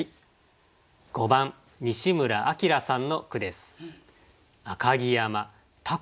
５番西村晃さんの句です。